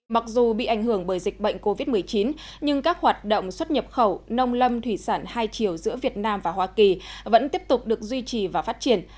mặc dù bị ảnh hưởng bởi dịch bệnh covid một mươi chín nhưng các hoạt động xuất nhập khẩu nông lâm thủy sản hai chiều giữa việt nam và hoa kỳ vẫn tiếp tục được duy trì và phát triển